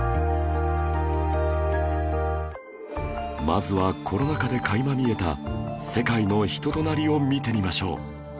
まずはコロナ禍で垣間見えた世界の人となりを見てみましょう